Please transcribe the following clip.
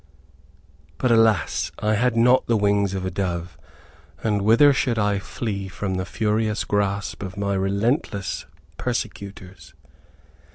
But alas! I had not the wings of a dove, and whither should I flee from the furious grasp of my relentless persecutors?